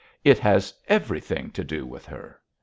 'It has everything to do with her!'